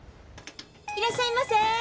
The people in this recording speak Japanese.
いらっしゃいませ！